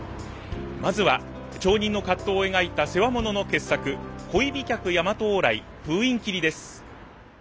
まずは町人の葛藤を描いた世話物の傑作「恋飛脚大和往来封印切」です。